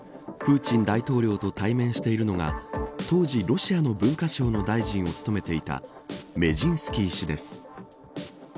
プーチン大統領と対面しているのが当時、ロシアの文化省の大臣を務めていたメジンスキー氏です。